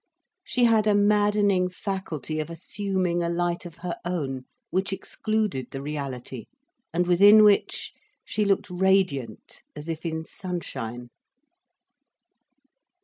She had a maddening faculty of assuming a light of her own, which excluded the reality, and within which she looked radiant as if in sunshine.